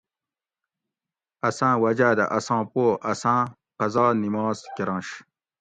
اساۤں وجاۤ دہ اساں پو اساۤں قضا نماز کرنش